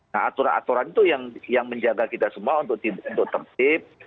nah aturan aturan itu yang menjaga kita semua untuk tertib